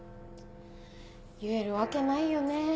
言えるわけないよね。